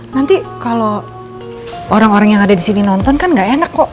nanti kalau orang orang yang ada di sini nonton kan gak enak kok